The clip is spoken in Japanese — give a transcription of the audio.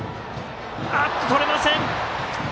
とれません。